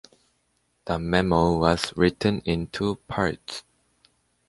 The memo was written in two parts.